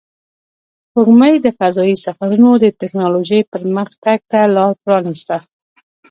سپوږمۍ د فضایي سفرونو د تکنالوژۍ پرمختګ ته لار پرانیسته